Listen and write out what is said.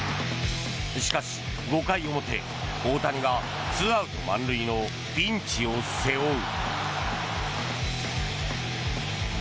しかし、５回表大谷がツーアウト満塁のピンチを背負う。